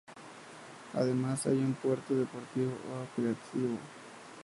Además hay un puerto deportivo o recreativo.